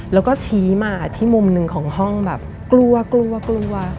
แล้วก็ชี้มาที่มุมหนึ่งของห้องแบบกลัวกลัวกลัว